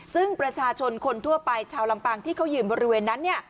ซึ่งประชาชนคนทั่วไปชาวลำปางที่เขายืนบริเวณนั้น